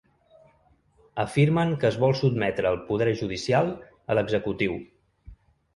Afirmen que es vol sotmetre el poder judicial a l’executiu.